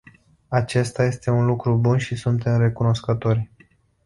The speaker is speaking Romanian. Acesta este un lucru bun și suntem recunoscători.